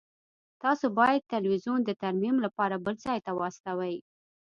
تاسو باید تلویزیون د ترمیم لپاره بل ځای ته واستوئ